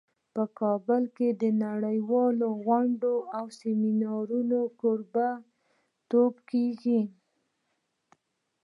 په کابل کې د نړیوالو غونډو او سیمینارونو کوربه توب کیږي